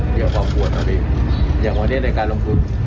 เดี่ยวพอพอครับเออมีอย่างวันนี้ในการลงคุย